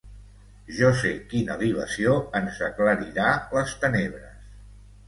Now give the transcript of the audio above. Jo sé quina libació ens aclarirà les tenebres.